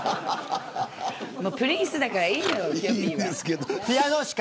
プリンスだから、いいのよ。